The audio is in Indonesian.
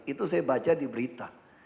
itu saya baca di berita